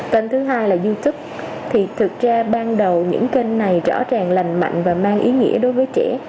kênh thứ hai là youtube thì thực ra ban đầu những kênh này rõ ràng lành mạnh và mang ý nghĩa đối với trẻ